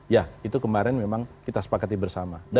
ya itu kemarin memang kita sepakati bersama